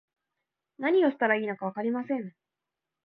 何をしたらいいのかわかりません